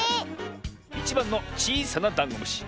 １ばんのちいさなダンゴムシ。